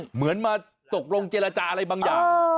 เหมือนมาตกลงเจรจาอะไรบางอย่าง